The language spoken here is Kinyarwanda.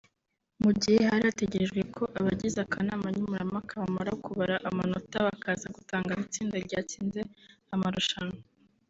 Mu gihe hari hategerejwe ko abagize akanama nkemurampaka bamara kubara amanota bakaza gutangaza itsinda ryatsinze amarushanwa